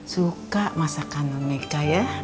suka masakan non meka ya